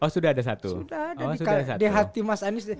sudah ada di hati mas anies